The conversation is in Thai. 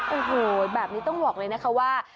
โอ้โหแบบนี้ต้องบอกเลยนะคะว่า